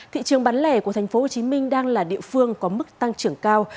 thị trường bán lẻ của tp hcm đang là địa phương có mức tăng trưởng cao